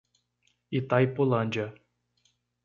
Itaipulândia